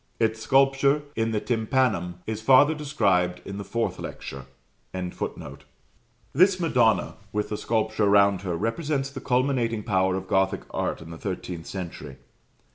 Its sculpture in the tympanum is farther described in the Fourth Lecture.] This Madonna, with the sculpture round her, represents the culminating power of Gothic art in the thirteenth century.